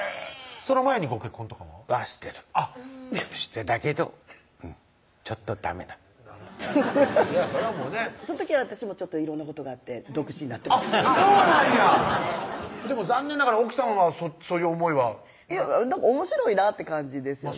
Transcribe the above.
その前にご結婚とかは？はしてるしてたけどうんちょっとダメだったそらもうねその時私も色んなことがあって独身になってましたそうなんやでも残念ながら奥さんはそういう思いはおもしろいなって感じですよね